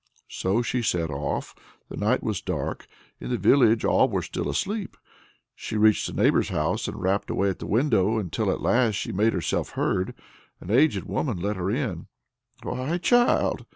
So she set off. The night was dark. In the village all were still asleep. She reached a neighbor's house, and rapped away at the window until at last she made herself heard. An aged woman let her in. "Why, child!"